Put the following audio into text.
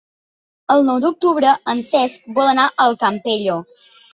El nou d'octubre en Cesc vol anar al Campello.